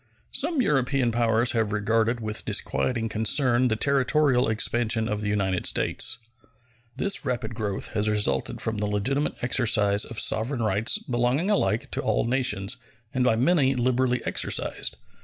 Some European powers have regarded with disquieting concern the territorial expansion of the United States. This rapid growth has resulted from the legitimate exercise of sovereign rights belonging alike to all nations, and by many liberally exercised.